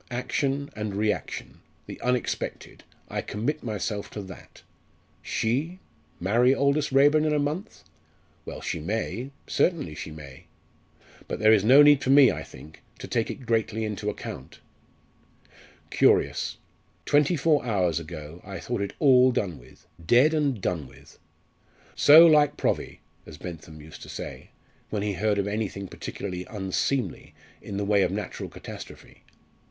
Action and reaction the unexpected I commit myself to that. She marry Aldous Raeburn in a month? Well, she may certainly she may. But there is no need for me, I think, to take it greatly into account. Curious! twenty four hours ago I thought it all done with dead and done with. 'So like Provvy,' as Bentham used to say, when he heard of anything particularly unseemly in the way of natural catastrophe.